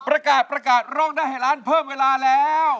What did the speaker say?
ประกาศร้องได้ให้ร้านเพิ่มเวลาแล้ว